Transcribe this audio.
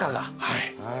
はい。